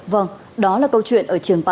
vâng đó là câu chuyện ở trường bằn